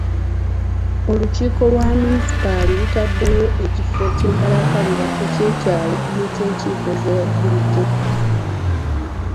Olukiiko lwa munisipaali lutaddewo ekifo eky'enkalakkalira eky'ekyalo n'enkiiko eza bulijjo.